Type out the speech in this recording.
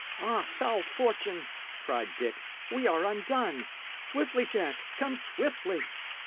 "Ah, foul fortune!" cried Dick. "We are undone. Swiftly, Jack, come swiftly!"